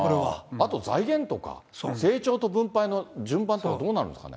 あと、財源とか、成長と分配の順番とかどうなるんですかね。